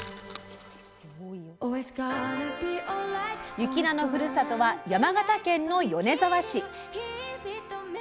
雪菜のふるさとは山形県の米沢市。